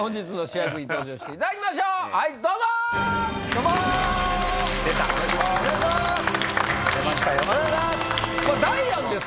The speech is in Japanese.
お願いします。